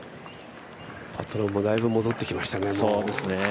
パトロンもだいぶ戻ってきましたね。